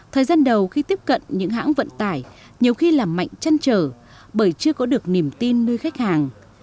thời gian đầu khi tiếp cận những hãng vận tải nhiều khi làm mạnh chăn trở bởi chưa có được niềm tin nơi khách hàng